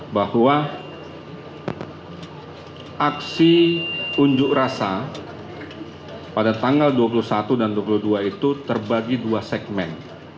bahwa aksi unjuk rasa pada tanggal dua puluh satu dan dua puluh dua itu terbagi dua segmen